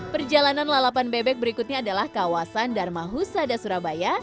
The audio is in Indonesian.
perjalanan lalapan bebek berikutnya adalah kawasan darmahusada surabaya